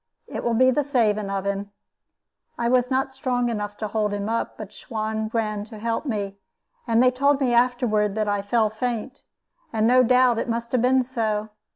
It will be the saving of him." I was not strong enough to hold him up, but Suan ran to help me; and they told me afterward that I fell faint, and no doubt it must have been so.